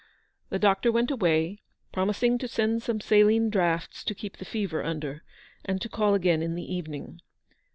? The doctor went away, promising to send some saline draughts to keep the fever under, and to call again in the evening.